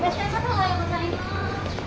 おはようございます。